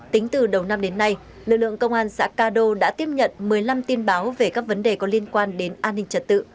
tính từ đầu năm đến nay lực lượng công an xã ca đô đã tiếp nhận một mươi năm tin báo về các vấn đề có liên quan đến an ninh trật tự